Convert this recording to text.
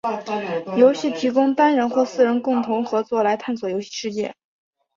游戏提供单人或四人共同合作来探索游戏世界。